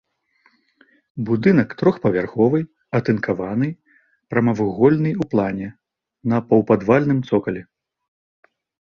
Будынак трохпавярховы, атынкаваны, прамавугольны ў плане, на паўпадвальным цокалі.